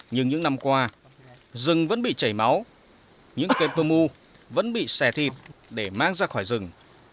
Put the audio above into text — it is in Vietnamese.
nhưng những năm qua rừng vẫn bị chảy máu những cây pơ mu vẫn bị xẻ thịt để mang ra khỏi rừng